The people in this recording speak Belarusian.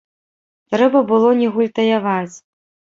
Трэба было не гультаяваць.